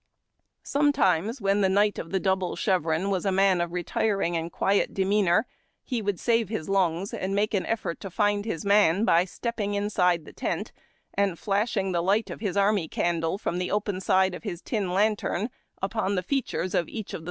Sometimes, when the knight of the double chevron was a man of retiring and quiet demeanor, he would save his lungs and make an effort to find his man by stepping inside the tent, and flashing the light of his army candle from the open side of his tin lantern upon the features of each of the A DAY IN CAMP.